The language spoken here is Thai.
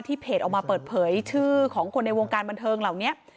เพจออกมาเปิดเผยชื่อของคนในวงการบันเทิงเหล่านี้